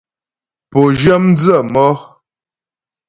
Pǒ zhyə mdzə̌ mɔ́.